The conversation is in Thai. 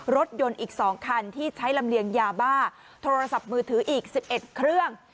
รถยนต์อีก๒คันที่ใช้ลำเลียงยาบ้าโทรศัพท์มือถืออีก๑๑เครื่อง